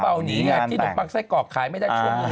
เจ้าบ่าวหนีงานที่หนูปักไส้กรอกขายไม่ได้ชม